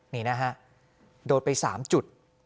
นี่นะฮะโดนไป๓จุด